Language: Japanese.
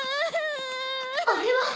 あれは！？